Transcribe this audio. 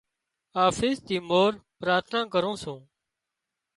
آفيس ٿِي مورِ پراٿنا ڪرُون سُون۔